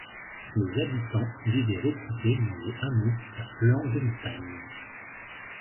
Les habitants vivaient regroupés dans les hameaux à flanc de montagne.